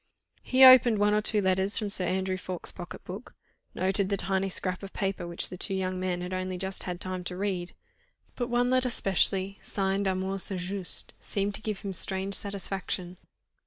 He opened one or two more letters from Sir Andrew Ffoulkes' pocket book, noted the tiny scrap of paper which the two young men had only just had time to read; but one letter specially, signed Armand St. Just, seemed to give him strange satisfaction.